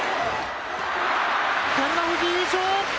照ノ富士優勝！